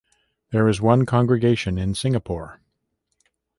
There is one congregation in Singapore.